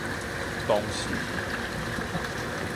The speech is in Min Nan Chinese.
當時